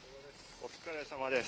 お疲れさまです。